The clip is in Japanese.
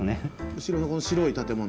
後ろのこの白い建物？